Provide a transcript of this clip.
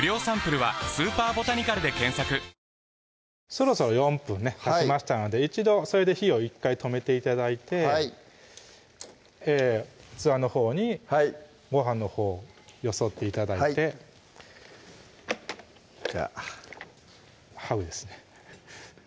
そろそろ４分ねたちましたので一度それで火を１回止めて頂いて器のほうにご飯のほうよそって頂いてじゃあハグですね